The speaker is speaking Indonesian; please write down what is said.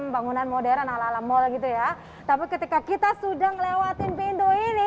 bangunan modern ala ala mall gitu ya tapi ketika kita sudah ngelewatin pintu ini